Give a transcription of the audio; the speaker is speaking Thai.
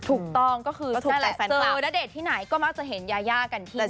ถูกต้องก็คือเจอณเดชน์ที่ไหนก็มักจะเห็นยายากันที่